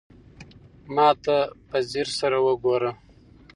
ما ته په ځير سره وگوره.